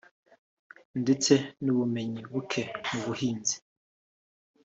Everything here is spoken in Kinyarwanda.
ndetse n’ubumenyi buke mu buhinzi